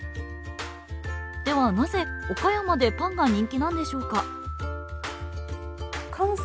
ではなぜ岡山でパンが人気なんでしょうか？